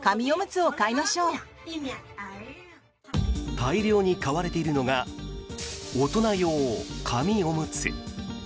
大量に買われているのが大人用紙おむつ。